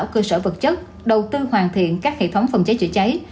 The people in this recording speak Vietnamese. cơ sở vật chất đầu tư hoàn thiện các hệ thống phòng cháy chữa cháy